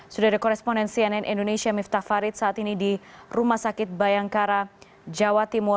sudah ada koresponen cnn indonesia miftah farid saat ini di rumah sakit bayangkara jawa timur